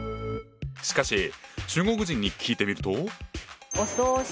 しかし中国人に聞いてみると。